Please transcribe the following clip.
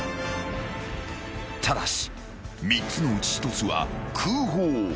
［ただし３つのうち１つは空砲］